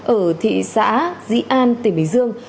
ở thị xã dĩ an tỉnh bình dương